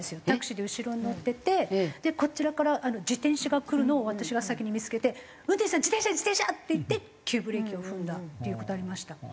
タクシーで後ろに乗っててこちらから自転車が来るのを私が先に見付けて「運転手さん自転車自転車！」って言って急ブレーキを踏んだっていう事ありました。